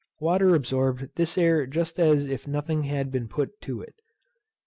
Water absorbed this air just as if nothing had been put to it.